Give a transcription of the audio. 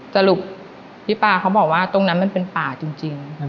สรุปพี่ปลาเขาบอกว่าตรงนั้นมันเป็นป่าจริง